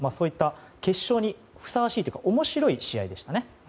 決勝にふさわしいというか面白い試合でしたね。